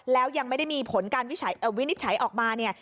แล้วยังไม่ได้มีผลการวินิจฉัยออกมาเนี่ย